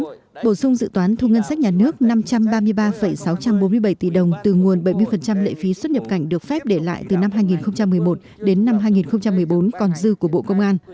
trong năm hai nghìn hai mươi một bổ sung dự toán thu ngân sách nhà nước năm trăm ba mươi ba sáu trăm bốn mươi bảy tỷ đồng từ nguồn bảy mươi lệ phí xuất nhập cảnh được phép để lại từ năm hai nghìn một mươi một đến năm hai nghìn một mươi bốn còn dư của bộ công an